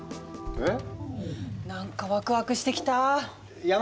えっ。